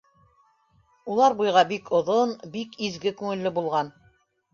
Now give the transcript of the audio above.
Улар буйға бик оҙон, бик изге күңелле булған.